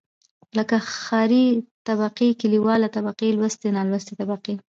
لکه ښاري طبقې، کليواله طبقه لوستې، نالوستې طبقې.